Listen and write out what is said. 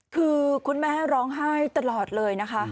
คือคุณแม่ร้องไห้ตลอดเลยนะคะ